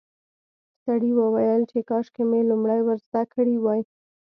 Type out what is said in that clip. سړي وویل چې کاشکې مې لومړی ور زده کړي وای.